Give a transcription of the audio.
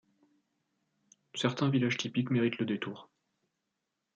Certains villages typiques méritent le détour.